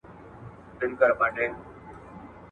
حضرت عبد الله بن مسعود رضي الله عنه ورته وويل.